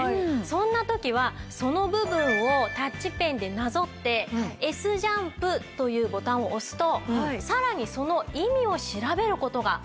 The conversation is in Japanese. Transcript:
そんな時はその部分をタッチペンでなぞって「Ｓジャンプ」というボタンを押すとさらにその意味を調べる事ができるんです。